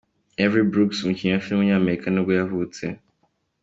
Avery Brooks, umukinnyi wa film w’umunyamerika ni bwo yavutse.